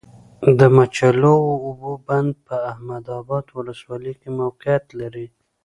د مچلغو اوبو بند په احمد ابا ولسوالۍ کي موقعیت لری